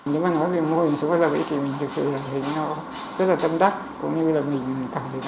nếu mà nói về môi mình xuống vào vị trí thì mình thực sự thấy nó rất là tâm đắc